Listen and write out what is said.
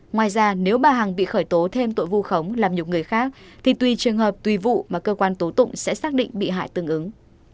ngoài ra nếu bà hằng bị khởi tố thêm tội vu khống làm nhục người khác thì tuy trường hợp tùy vụ mà cơ quan tố tụng sẽ xác định bị hại tương ứng